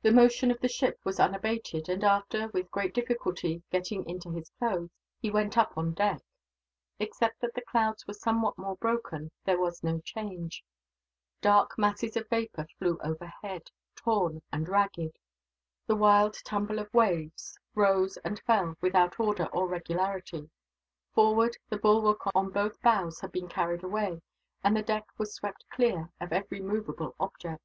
The motion of the ship was unabated and after, with great difficulty, getting into his clothes, he went up on deck. Except that the clouds were somewhat more broken, there was no change. Dark masses of vapour flew overhead, torn and ragged. The wild tumble of waves rose and fell, without order or regularity. Forward, the bulwark on both bows had been carried away, and the deck was swept clear of every movable object.